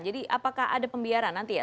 jadi apakah ada pembiaraan nanti ya